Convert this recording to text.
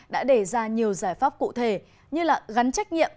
đã đề ra nhiều giải pháp cụ thể như gắn trách nhiệm